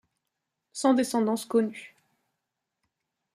Sans descendance connue.